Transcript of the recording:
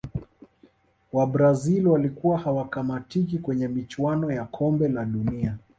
wabrazil walikuwa hawakamatiki kwenye michuano ya kombe la dunia